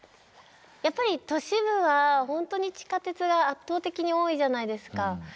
やっぱり都市部は本当に地下鉄が圧倒的に多いじゃないですか。